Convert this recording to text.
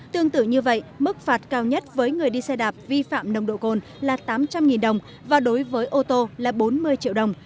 tương tự như vậy mức phạt cao nhất với người đi xe đạp vi phạm nồng độ cồn là tám trăm linh đồng và đối với ô tô là bốn mươi triệu đồng